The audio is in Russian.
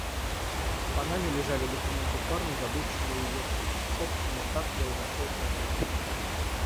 В панаме лежали документы парня, забывшего её тут. Собственно, так я и нашёл хозяина.